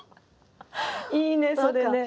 いいねそれね。